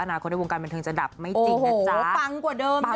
แล้วอนาคตในวงการบันทึงจะดับไม่จริงนะจ๊ะ